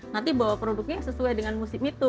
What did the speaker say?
nanti bawa produknya sesuai dengan musim itu